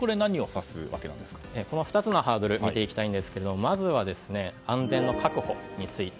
この２つのハードルを見ていきたいんですがまずは安全の確保について。